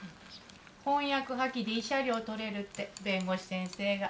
婚約破棄で慰謝料取れるって弁護士先生が。